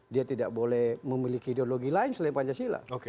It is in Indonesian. dia tidak boleh memiliki ideologi lain selain pancasila